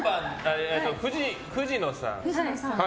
藤野さん。